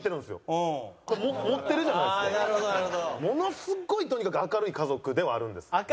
ものすごいとにかく明るい家族ではあるんです。